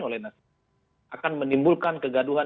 oleh nasdem akan menimbulkan kegaduhan